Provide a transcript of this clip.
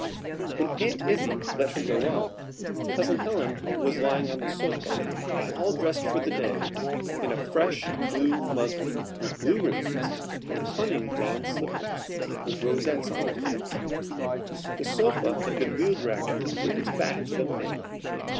When Aunt Izzie let her go up, Cousin Helen was lying on the sofa all dressed for the day in a fresh blue muslin, with blue ribbons, and cunning bronze slippers with rosettes on the toes. The sofa had been wheeled round with its back to the light.